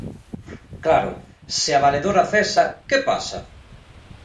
Claro, se a valedora cesa, ¿que pasa?